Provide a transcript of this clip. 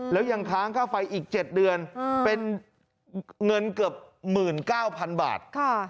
แล้วยังค้างค่าไฟอีก๗เดือนเป็นเงินเกือบ๑๙๐๐๐บาท